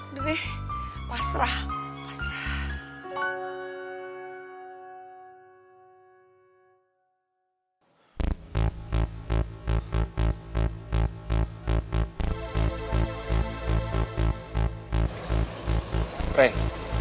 udah deh pasrah pasrah